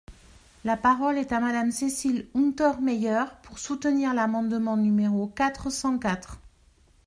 La parole est à Madame Cécile Untermaier, pour soutenir l’amendement numéro quatre cent quatre.